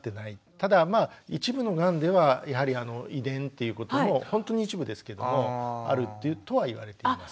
ただまあ一部のがんではやはり遺伝っていうこともほんとに一部ですけれどもあるっていうとは言われています。